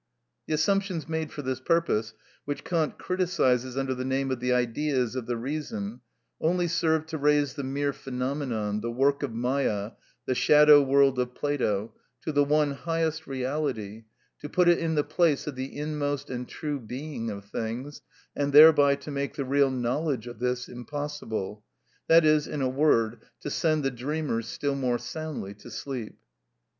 The assumptions made for this purpose, which Kant criticises under the name of the Ideas of the reason, only served to raise the mere phenomenon, the work of Mâyâ, the shadow world of Plato, to the one highest reality, to put it in the place of the inmost and true being of things, and thereby to make the real knowledge of this impossible; that is, in a word, to send the dreamers still more soundly to sleep.